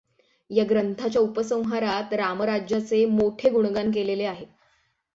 या ग्रंथाच्या उपसंहारात रामराज्याचे मोठे गुणगान केलेले आहे.